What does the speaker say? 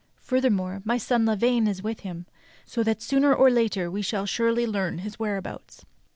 Furthermore, my son Lavaine is with him, so that sooner or later we shall surely learn his where abouts."